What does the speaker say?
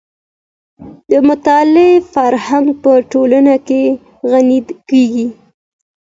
د مطالعې فرهنګ په ټولنه کي غني کړئ.